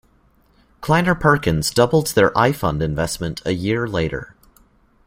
Kleiner Perkins doubled their iFund investment a year later.